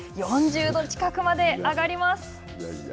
４０度近くまで上がります！